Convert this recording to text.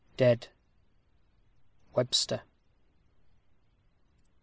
_ Dead. WEBSTER.